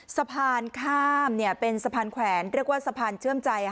สะพานข้ามเป็นสะพานแขวนเรียกว่าสะพานเชื่อมใจ